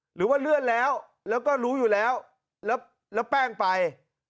หรือว่าเลื่อนแล้วแล้วก็รู้อยู่แล้วแล้วแป้งไป